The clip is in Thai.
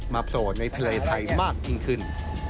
โผล่ในทะเลไทยมากยิ่งขึ้น